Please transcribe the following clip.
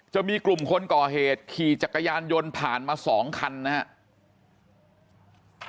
จะมีกลุ่มคนก่อเหตุขี่จักรยานยนต์ผ่านมา๒คันนะครับ